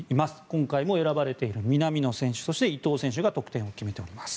今回も選ばれている南野選手、そして伊東選手が得点を決めております。